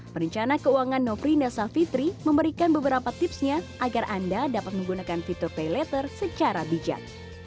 perencana keuangan nofrinda savitri memberikan beberapa tipsnya agar anda dapat menggunakan fitur pay letter secara bijak